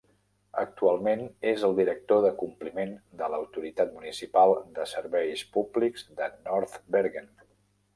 Actualment és el director de compliment de l'autoritat municipal de serveis públics de North Bergen.